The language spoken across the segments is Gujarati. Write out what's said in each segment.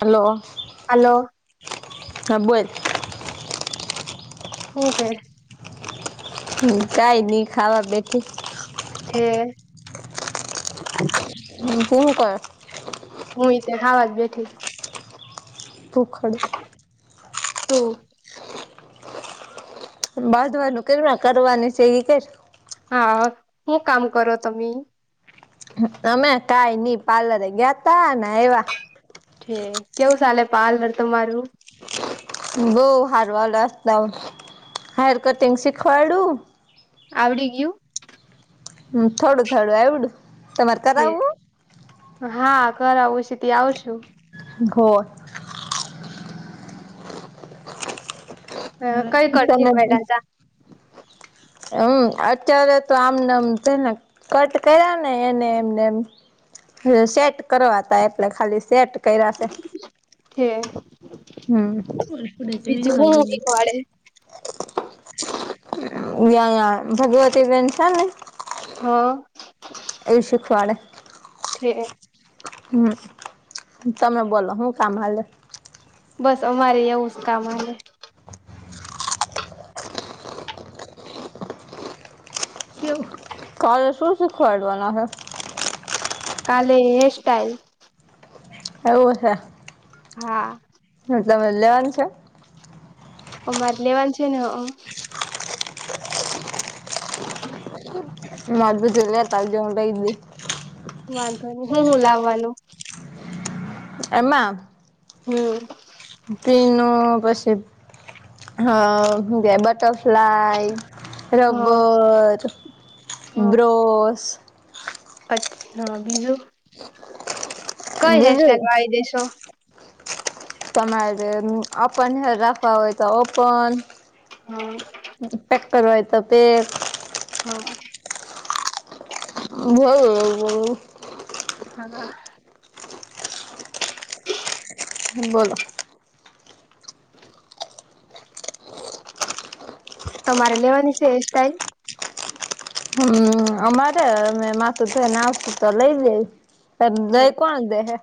હલો. હાલો. હા બોલ. હું કર? હુ કાંઈ નહીં. ખાવા બેઠી. ઠે. તું હું કરે? હુંઈ તે ખાવા જ બેઠી. ભૂખ્ખડ. તું. બાધવાનું કઈર માં. કરવાનું સે ઈ કેઈર. હા. હું કામ કરો તમે? અમે કાંઈ નહીં, પાર્લરે ગયા તા અને આઈવા. ઠેક. કેવું સાલે પાલર તમારું? બહુ હારું હાલે એકદમ. હેયર કટિંગ શીખવાડ્યું. આવડી ગીયું? હું થોડું થોડું આયવડું તમારે છે કરાવવું? હા, કરાવુ સતી છે તે આવશુ. ઘોર. અવે કઈ કઠલી તમે ફયડા તાં. અમ અત્યારે તો આમનેમ છેને કટ કર્યા ને એને એમનેમ. અહ સેટ કરવા તાય એટલે ખાલી સેટ કયરા સે. થે. હમ્મ [unintelligible] હું શીખવાડે વ્યાયા ભગવતી બેન છે ને હા. એ શીખવાડે. ઠે. હું તમે બોલો હું કામ હાલે? બસ અમારેય એવું જ કામ હાલે. કાલ શું શીખવાડવાનાં હે? કાલે હે સ્ટાઈલ. એવું છે. હા. મતલબ અહ લેવાન છે. અમારે લેવાન છે ને હ [unintelligible] વાંધો ની હું હું લાવવાનું? એમાં. હમ્મ. તીનું પસી હ હું કે બટરફ્લાય હ રબર હ બ્રોસ અચ્છા બીજું? કઈ બીજું? હેરસ્ટાઈલ વાળી દેશો તમારે ઓપન હેર રાખવા હોય તો ઓપન. હ પેક કરવા હોય તો પેક. હા. ભોઉ બોહ. હાના. બોલો. તમારે લેવાની છે એ સ્ટાઇલ? હું અમારે અમે માથું થઈ ને આવશું તો લઈ લઈશ દઈ કોણ દે હે.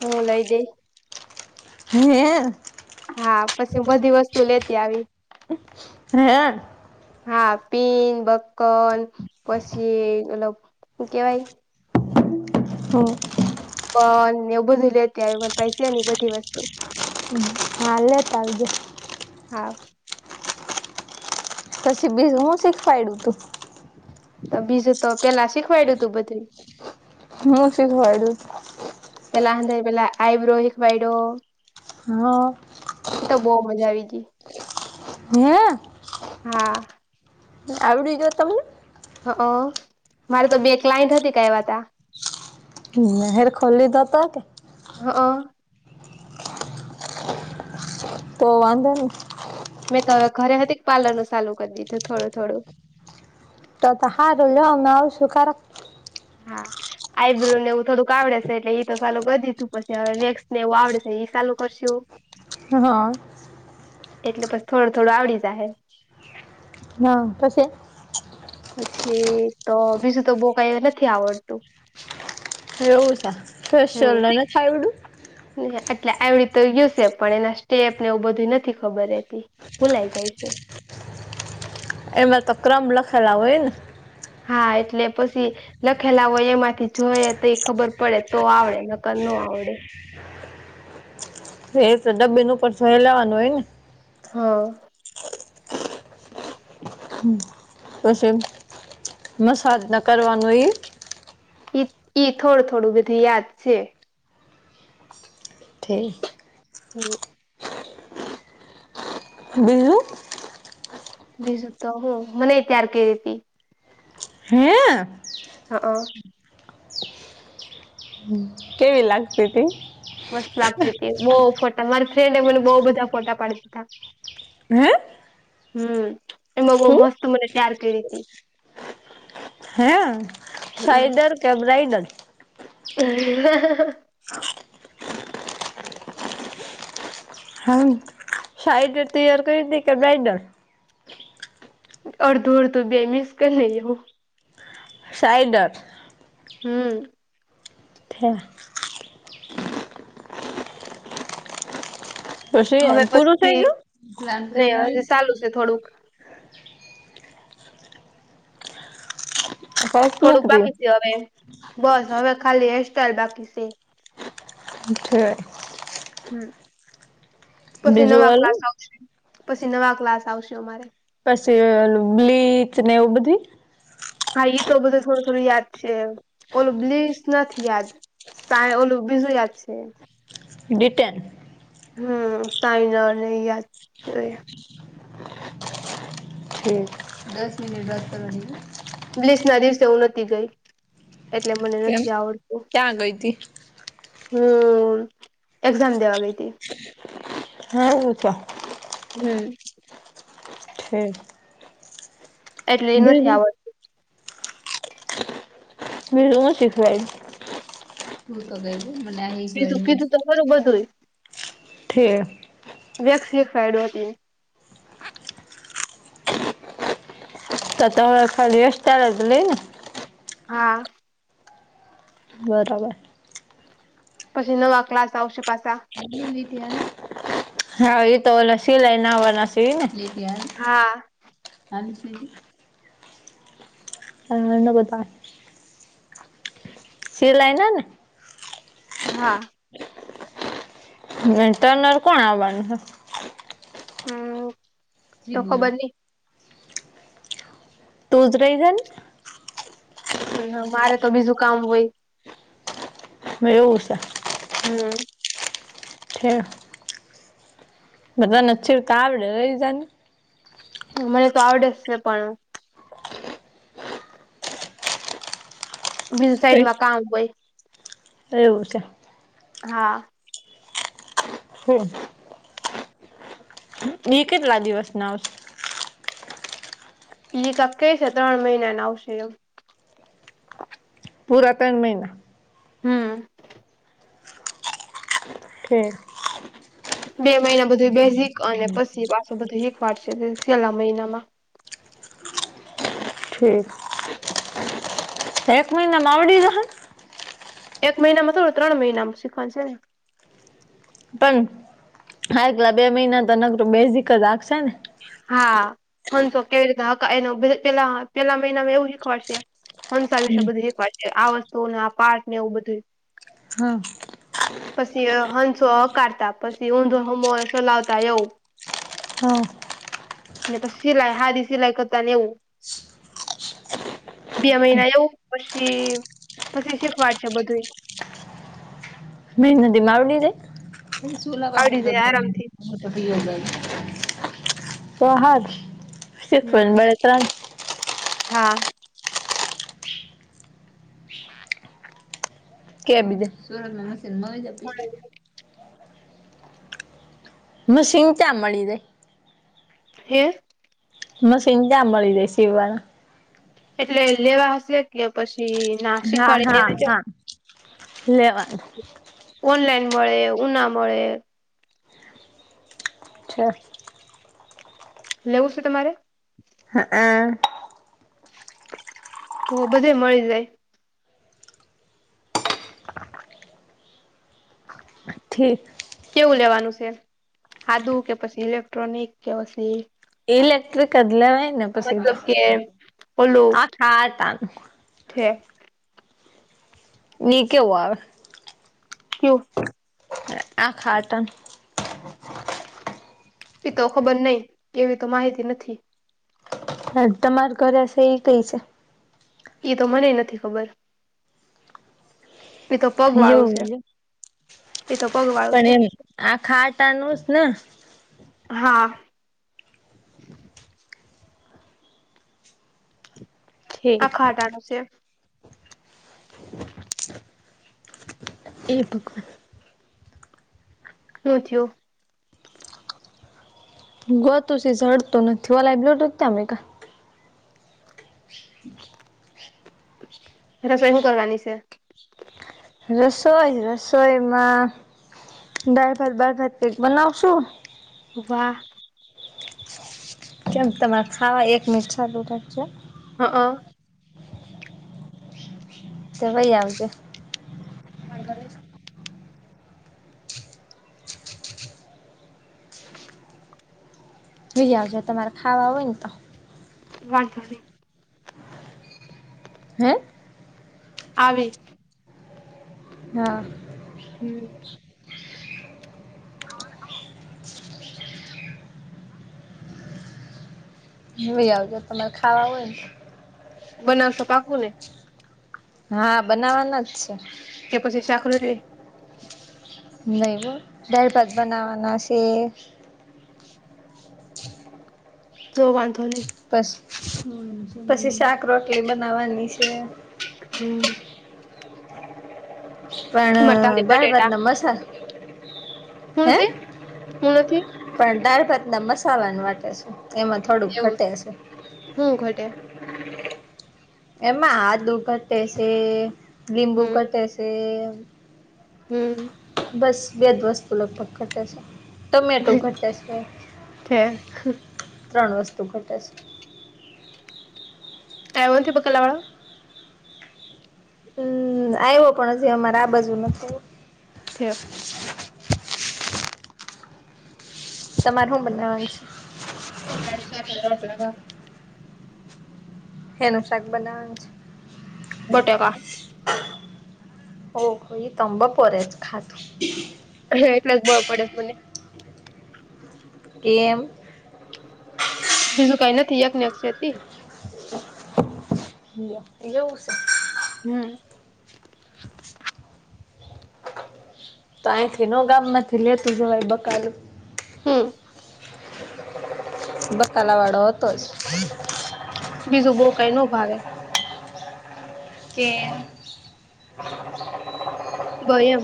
હું લઈ દઈ. હે. હા, પછી બધી વસ્તુ લેતી આવી. હે. હા પીન બકકલ પછી મતલબ હું કેવાય હો. પન એવું બધું લેતી આઈવી માર પૈસે ને ઈ બધી વસ્તુ. હમ્મ. હા લેતા આવજો. હા. પછી બીજું હું શિખવાઈડું તું? તો બીજું તો પેલા શીખવાઈડું તું બધુંય. હું શીખવાડ્યું? પહેલા હંધાઈ પહેલા આઈબ્રો હિખવાઈડો. હા. એ તો બહુ મજા આવી ગી. હે? હા આવડી ગિયું તમને? અહં. મારે તો બે ક્લાયન્ટ હતી [unintelligible] હેયર [unintelligible] અહં. તો વાંધો નહીં. મેં તો હવે ઘરે હતીક પાર્લર નું સાલુ કર દીધું થોડું-થોડું. તો-તો હારું લો, અમે આવશું [unintelligible] હા. આઈબ્રો ને એવું થોડુંક આવડે સે, એટલે ઈ તો સાલું કર દીધું. પછી હવે વેક્સ ને એવું આવડે સે ઈ સાલું કરશું. હા, હા. એટલે પછ થોડું-થોડું આવડી જાહે. હા. પછી? પછી તો બીજું તો બોવ કાંઈ નથી આવડતું. એવું સે? ફેસિયલ ને હમ નથ આવડ્યું? [unintelligible] એટલે આવડી તો ગયું સે, પણ એના સ્ટેપને એવુંઈ બધી નથી ખબર રહેતી. ભુલાય જાય સે. એના તો ક્રમ લખેલા હોય ને? હા એટલે પસી લખેલા હોય એમાંથી જોઈયે તો ઈ ખબર પડે તો આવડે, નકર નો આવડે. [unintelligible] ડબ્બીન ઉપર જોયેલાં [unintelligible] હા. હમ્મ. પસી મસાજ ના કરવાનું હોય ઈ? ઈત ઈ થોડું-થોડું બધું યાદ છે. ઠે. હમ્મ. બીજું? બીજું તો હું. મનેઈ ત્યાર કઈરી તી. હે! અહં. કેવી લાગતી તી? મસ્ત લાગતી તી. બઉ ફોટા, મારી ફ્રેન્ડ એ મને બઉ બધા ફોટા પાડ દીધા. હે! હમ્મ. એમાં બઉ હું મસ્ત મને તૈયાર કઈરી તી. હે! હમ સાઇડર કે બ્રાઈડલ? [inaudible] હામ. સાઈડર તૈયાર કરી દે કે બ્રાઈડર? અડધું-અડધું બેઈ મિક્સ કર લઈએ હુ. સાઈડર. હમ્મ. [unintelligible] પસી હવે આ પુરુ થઈ પછી ગયું? નહી હજી ચાલુ [unintelligible] છે થોડુંક. ફર્સ્ટ લુક થોડુંક બાકી રહ્યું સે હવે, બસ હવે ખાલી હેયરસ્ટાઈલ બાકી સે. [unintelligible] હમ્મ. પસી બીજું નવા ઓલું ક્લાસ આવશે, પસી નવા ક્લાસ આવશે અમારે. પસી ઓલું બ્લીચ ને એવું બધુંઈ? હા ઈ તો બધું થોડું-થોડું યાદ છે. ઓલું બ્લીચ નથી યાદ. તાએ ઓલું બીજું યાદ છે. ડિટેન. હમ્મ. સાઇનર ને ઈ યાદ [unintelligible] ઠીક. દસ મિનિટ વાત કરવાની હે. બ્લીસ ના દિવસે હું નહોતી ગઈ. એટલે મને કેમ નથી આવડતું. ક્યાં ગઈ તી હમ્મ. એક્ઝામ દેવા ગઈ તી. હારું તો. હમ્મ. ઠેક. એટલે ઈ નથી આવડતું. બીજું હું શીખવાડ્યું? બીજું કીધું તો ખરું બધુંઈ. ઠે. વેક્સ શીખવાડ્યું [unintelligible] તો તમારે ખાલી હેયર સ્ટાઈલ જ રહીં ને? હા. બરાબર. પછી નવા ક્લાસ આવશે પાસા. હાં ઈ તો ઓલા સિલાઈના આવાના સે ઈ ને? હા. [inaudible] [inaudible] સિલાઈ ના ને? હા. [unintelligible] કોણ આવવાનું હે? હમ્મ, તો ખબર નહીં. તું જ રહી જાન. [unintelligible] મારે તો બીજું કામ હોય. એવું સે. હમ્મ. ઠે. બધાઈને છેડતાં આવડે, રહી જાન. મને તો આવડે જ સે પણ બીજું સાઈડમાં કામ હોય. એવું છે. હા. હમ. એ કેટલા દિવસના આવશે? ઈ કા કઈ છે ત્રણ મહિનાને આવશે એમ. પુરા ત્રણ મહિના? હમ. કેે બે મહિના બધું બેઝિક અને પછી પાછું બધું એક વાર છે છેલ્લા મહિનામાં ઠીક એક મહિનામા આવડી જશે? એક મહિનામાં થોડું ત્રણ મહિના શીખવાનું છે ને. પણ આટલા બે મહિના તો તનતો બેઝીક રાખશે ને હા હંશો કેવી રીતે હ એ પેલા પેલા મહિનામાં એવું શીખવાડશે. હંસા વિશે બધી એક વાર છે આ વસ્તુ આ પાર્ટને એવું બધું હા. પછી હંસો હકારતા પછી ઊંધો હમ સલાવતા એવું. હા. ને પછી સિલાઈ હારી સિલાઈ કરતાને એવું. બે મહિના એવું પછી પછી શીખવાડ છે બધું. મે નદી આવડી જાય આરામથી [unintelligible] તો હા હમ [unintelligible] હા. કે બીજે સુરતમાં મશીન મળી જા [unintelligible] મશીન ચા મળી જાય. હે મશીન ચા મળી જાય સીવાના એટલે લેવા છે કે પછી ના હા શીખવાડે હા એને હા લેવા ઓનલાઈન મળે ઉના મળે. છે લેવું છે તમારે? હ અ. તો બધે મળી જાય. ઠીક. કેવું લેવાનું છે સાદું કે પછી ઇલેક્ટ્રોનિક કે પછી ઇલેક્ટ્રિક જ લેવાય ને પછી મતલબ કે આખાતા નું ઠે ની કેવું આવે? કેવું? આ ખાતા એ તો ખબર નય એવી તો માહિતી નથી. હા તમાર ઘરે છે એ કઈ છે? એ તો મને નથી ખબર. એતો પગવાળું છે એ તો પગવાળું છે. આ ખાટ આનુંસ ને હા ઠીક આખાટા નું છે એ ભગવાન શું થયું? ગતો છે ઝડતો નથીવા લય બ્લોટ ત અમે કા [unintelligible] રસોઈ હુ કરવાની છે? રસોઈ રસોઈમાં દળ ભાત બાર ભાત કેક બનાવશું. વાહ કેમ તમારે ખાવા એક મિટ સાદું થાગશે હા હ લઈ આવજે [unintelligible] લય આવજો તમારે ખાવા હોયન તો. વાંધો નહી હે? આવી હા હમ્મ જોય આવજો તમારે ખાવા હોયન તો. બનાવ તો પાક્કુ ને? હા બનાવાના જ છે. કે પછી શાખ રોટલી? નય હો. દાળભાત બનાવાના સે તો વાંધો નય પસ પછી શાક રોટલી બનાવાની સે. હમ્મ મરતાલી પણ દાળ ભાતનો મસા હુ નથી? હુ નથી? પણ દાળભાતના મસાલાને વાટે છે, એમાં થોડુંક ઘટે છે. હુ ઘટે? એમાં આદુ ઘટે સે, લીંબુ ઘટે સે હમ્મ બસ. બે જ વસ્તુ લગભગ ઘટે છે. ટમેટું ઘટતા છે. છે ત્રણ વસ્તુ ઘટે છે. આયવો નથી બકાલાવાળો? હમ્મ, આયવો પણ હજી અમારે આ બાજુ નથી આયવો ઠેક તમારે હું બનાવાનું છે? અમાર શાકને રોટલા [unintelligible] હેનું શાક બનાવવાનું છે? બટેકા ઓહો! ઈ તો અમ બપોરે જ ખાધું. હા એટલે જ બળ પડેસ મને એમ બીજું કાંઈ ઈ નથી એકનેક સે તી લ્યો એવું સે. હમ્મ તાયથી નો ગામમાંથી લેતું જવાય બકાલું હમ્મ બકાલાવાળો હતોજ બીજું બઉ કાંઈ નો ભાવે. કેમ એમ